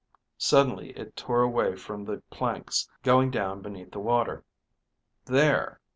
_) Suddenly it tore away from the planks, going down beneath the water. (_There....